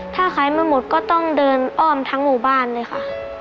ถ้าขายไม่หมดก็ต้องเดินอ้อมทั้งหมู่บ้านเลยค่ะ